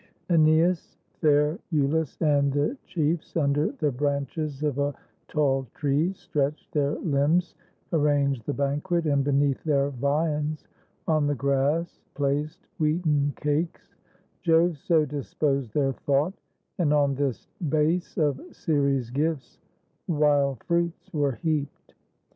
] .^Eneas, fair lulus, and the chiefs Under the branches of a tall tree stretched Their limbs, arranged the banquet, and beneath Their viands, on the grass, placed wheaten cakes (Jove so disposed their thought), and on this base Of Ceres' gifts, wild fruits were heaped.